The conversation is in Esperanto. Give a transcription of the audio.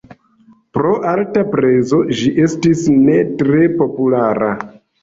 Pro alta prezo ĝi estis ne tre populara.